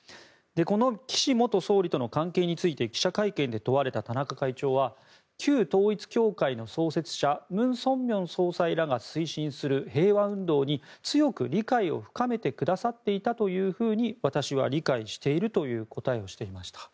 この岸元総理との関係について記者会見で問われた田中会長は旧統一教会の創設者ムン・ソンミョン氏らが推進する平和運動に、強く理解を深めてくださっていたと私は理解しているという答えをしていました。